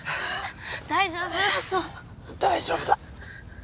大丈夫だ。